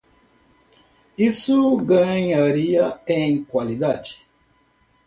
Isso ganharia em qualidade.